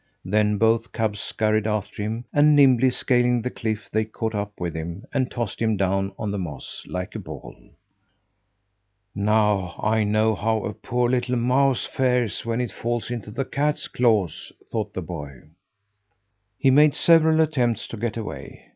Then both cubs scurried after him, and, nimbly scaling the cliff, they caught up with him and tossed him down on the moss, like a ball. "Now I know how a poor little mousie fares when it falls into the cat's claws," thought the boy. He made several attempts to get away.